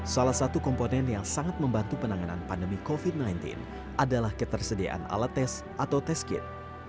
salah satu komponen yang sangat membantu penanganan pandemi covid sembilan belas adalah ketersediaan alat tes atau test kit